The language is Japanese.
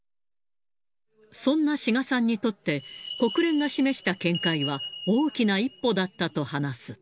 そんな志賀さんにとって、国連が示した見解は大きな一歩だったと話す。